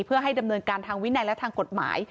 เพื่อให้ดำเนินการทางวินัยและทางกฎหมาย